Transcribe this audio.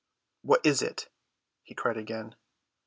"What is it?" he cried again.